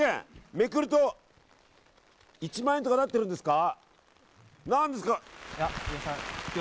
めくると１万円とかなってるんですか？